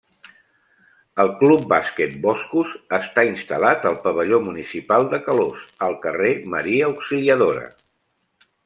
El Club Bàsquet Boscos està instal·lat al pavelló municipal de Calós, al carrer Maria Auxiliadora.